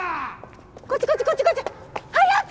こっちこっちこっちこっち。早く！